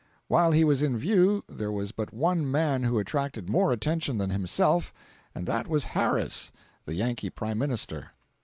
While he was in view there was but one man who attracted more attention than himself, and that was Harris (the Yankee Prime Minister).